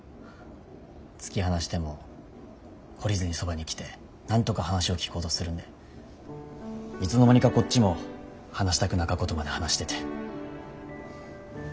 突き放しても懲りずにそばに来てなんとか話を聞こうとするんでいつの間にかこっちも話したくなかことまで話してて。